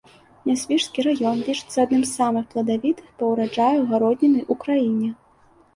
Нясвіжскі раён лічыцца адным з самых пладавітых па ўраджаю гародніны ў краіне.